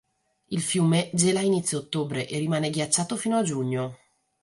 Il fiume gela a inizio ottobre e rimane ghiacciato fino a giugno.